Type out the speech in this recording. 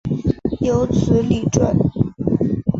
有子李撰。